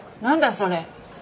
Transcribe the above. それ。